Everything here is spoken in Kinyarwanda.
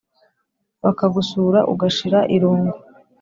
bakagusura ugashira irungu